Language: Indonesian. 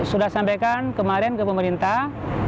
sudah sampaikan kemarin ke pemerintah